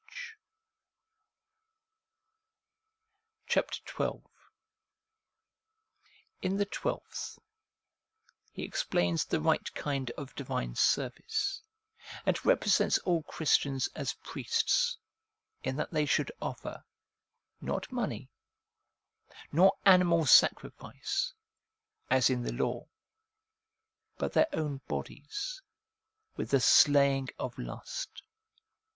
Chapter XII. In the twelfth, he explains the right kind of divine service, and represents all Christians as priests, in that they should offer, not money, nor animal sacrifice, as in the law, but their own bodies, with the slaying of lust.